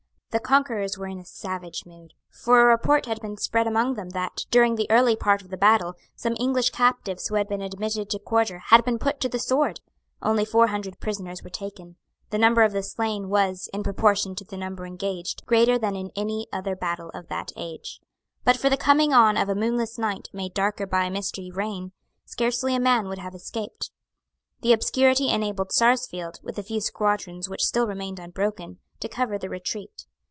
The conquerors were in a savage mood. For a report had been spread among them that, during the early part of the battle, some English captives who had been admitted to quarter had been put to the sword. Only four hundred prisoners were taken. The number of the slain was, in proportion to the number engaged, greater than in any other battle of that age. But for the coming on of a moonless night, made darker by a misty rain, scarcely a man would have escaped. The obscurity enabled Sarsfield, with a few squadrons which still remained unbroken, to cover the retreat.